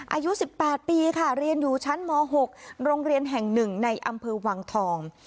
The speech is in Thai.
อายุสิบแปดปีค่ะเรียนอยู่ชั้นมหกโรงเรียนแห่งหนึ่งในอำเภอวังทอง